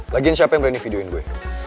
lagiin siapa yang berani videoin gue